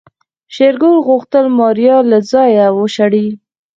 شېرګل غوښتل ماريا له ځايه وشړي.